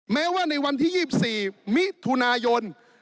แม้ว่าในวันที่๒๔มิถุนายน